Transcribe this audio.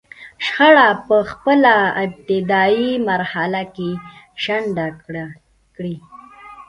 شخړه په خپله ابتدايي مرحله کې شنډه کړي.